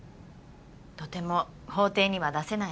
とても法廷には出せない証拠ね。